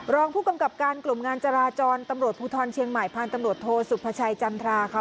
รองผู้กำกับการกลุ่มงานจราจรตำรวจภูทรเชียงใหม่พันธุ์ตำรวจโทสุภาชัยจันทราค่ะ